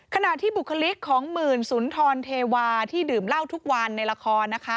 ขณะที่บุคลิกของหมื่นสุนทรเทวาที่ดื่มเหล้าทุกวันในละครนะคะ